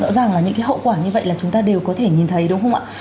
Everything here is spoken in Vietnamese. rõ ràng là những cái hậu quả như vậy là chúng ta đều có thể nhìn thấy đúng không ạ